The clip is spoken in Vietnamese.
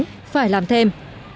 phải làm thêm